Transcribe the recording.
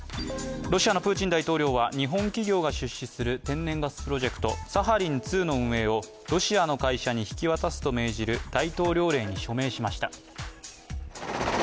ロシアのプーチン大統領は日本企業が出資する天然ガスプロジェクトサハリン２の運営をロシアの会社に引き渡すと命じる大統領令に署名しました。